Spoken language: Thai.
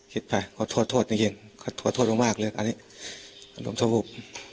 คิดไปขอโทษโทษจริงขอโทษมากเลยคราวนี้อารมณ์ชัววูบ